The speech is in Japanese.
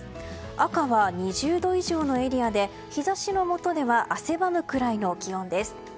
赤は２０度以上のエリアで日差しのもとでは汗ばむくらいの気温です。